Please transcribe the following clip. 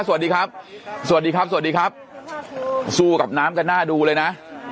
สวัสดีครับสวัสดีครับสวัสดีครับสู้กับน้ำกันหน้าดูเลยนะ